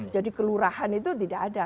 jadi kelurahan itu tidak ada